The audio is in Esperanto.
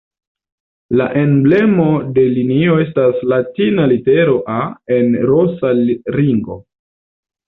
La emblemo de linio estas latina litero "A" en rosa ringo.